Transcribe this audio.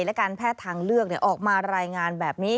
และการแพทย์ทางเลือกออกมารายงานแบบนี้